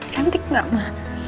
cantik gak ma